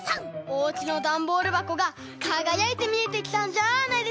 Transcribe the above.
おうちのダンボールばこがかがやいてみえてきたんじゃあないですか？